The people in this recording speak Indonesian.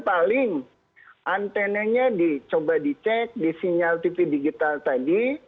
paling antenenya dicoba dicek di sinyal tv digital tadi